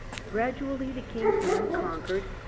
Gradually the king's men conquered.